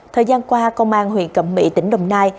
thời gian qua công an huyện cẩm mỹ tỉnh đồng nai